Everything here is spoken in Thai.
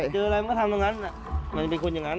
เจออะไรมันก็ทำตรงนั้นมันเป็นคนอย่างนั้น